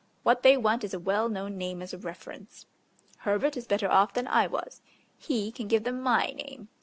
What they want is a well known name as a reference. Herbert is better off than I was: he can give them my name.